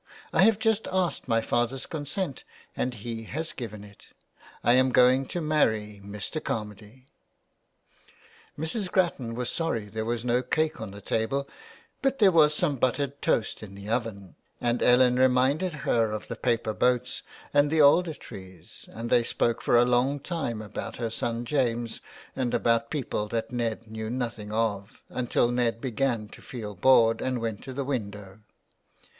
I have just asked my father's consent and he has given it. I am going to marry Mr. Carmady.'' Mrs. Grattan was sorry there was no cake on the table, but there was some buttered toast in the oven ; and Ellen reminded her of the paper boats and the alder trees, and they spoke for a long time about her son James and about people that Ned knew nothing of, until Ned began to feel bored and went to the window.